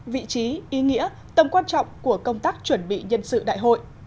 vị trí ý nghĩa tầm quan trọng của công tác chuẩn bị nhân sự đại hội